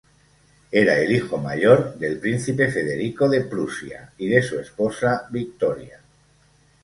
Era el hijo mayor del Príncipe Federico de Prusia y de su esposa, Victoria.